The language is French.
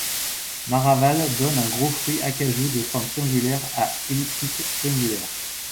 Maraval donne un gros fruit acajou de forme triangulaire à elliptique triangulaire.